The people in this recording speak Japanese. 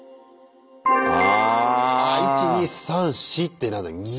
１２３４ってなんだ「にじ」。